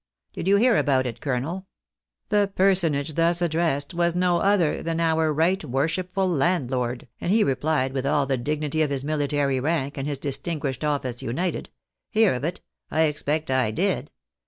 Did you hear about it, colonel ?' The personage thus addressed was no other than our right worshipful landlord, and he rephed with all the dignity of his miUtary rank, and his distinguished office united, ' Hear of it ? I expect I did.